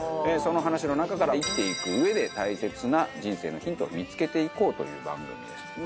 その話の中から生きていくうえで大切な人生のヒントを見つけていこうという番組です。